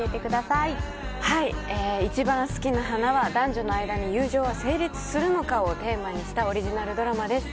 「いちばんすきな花」は男女の間に友情は成立するのかをテーマにしたオリジナルドラマです。